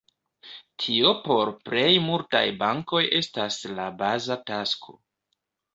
Tio por plej multaj bankoj estas la baza tasko.